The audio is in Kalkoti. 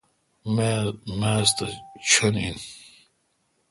میز تو ݭن این۔